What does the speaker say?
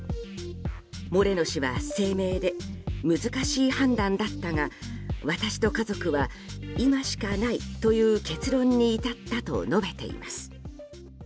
モレノ氏は、声明で難しい判断だったが私と家族は今しかないという結論に至ったと述べています。